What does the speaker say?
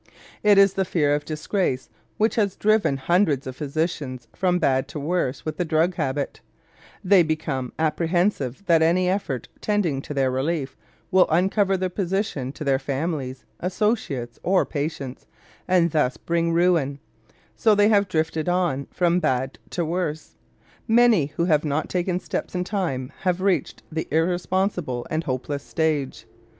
It is the fear of disgrace which has driven hundreds of physicians from bad to worse with the drug habit: they have become apprehensive that any effort tending to their relief will uncover their position to their families, associates, or patients, and thus bring ruin; so they have drifted on from bad to worse. Many who have not taken steps in time have reached the irresponsible and hopeless stage.